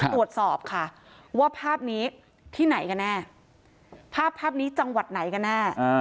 ตรวจสอบค่ะว่าภาพนี้ที่ไหนกันแน่ภาพภาพนี้จังหวัดไหนกันแน่